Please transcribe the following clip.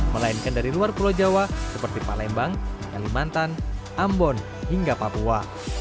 melainkan dari luar pulau jawa seperti palembang kalimantan ambon hingga papua